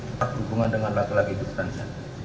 berhubungan dengan lagi lagi good branch nya